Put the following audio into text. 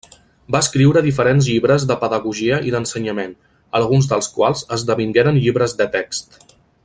Va escriure diferents llibres de pedagogia i d’ensenyament, alguns dels quals esdevingueren llibres de text.